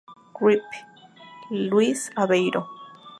Grip: Luis Aveiro.